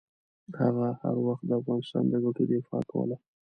هغه هر وخت د افغانستان د ګټو دفاع کوله.